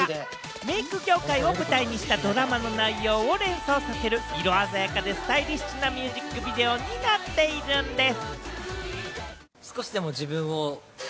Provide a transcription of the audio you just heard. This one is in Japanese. メイク業界を舞台にしたドラマの内容を連想させる色鮮やかで、スタイリッシュなミュージックビデオになっているんです。